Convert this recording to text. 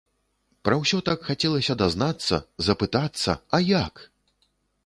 Пра ўсё так хацелася дазнацца, запытацца, а як?!